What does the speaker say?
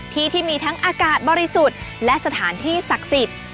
ที่ที่มีทั้งอากาศบริสุทธิ์และสถานที่ศักดิ์สิทธิ์